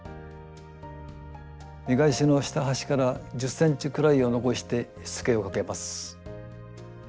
見返しの下端から１０ｃｍくらいを残してしつけをかけます。